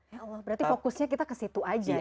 ya allah berarti fokusnya kita kesitu aja ya